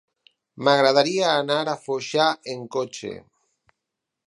M'agradaria anar a Foixà amb cotxe.